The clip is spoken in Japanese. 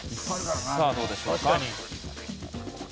さあどうでしょうか？